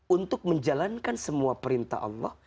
untuk menjalankan semua perintah allah